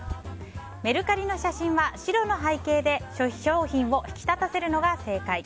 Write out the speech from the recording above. メルカリの写真は、白の背景で商品を引き立たせるのが正解。